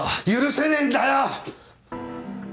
許せねえんだよ！